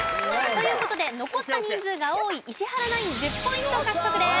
という事で残った人数が多い石原ナイン１０ポイント獲得です。